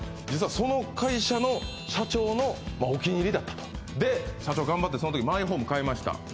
実はその会社の社長のお気に入りだったとで社長頑張ってそのときマイホーム買いました